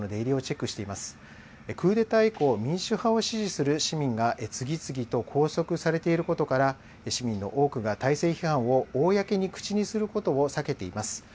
クーデター以降、民主派を支持する市民が次々と拘束されていることから、市民の多くが体制批判を公に口にすることを避けています。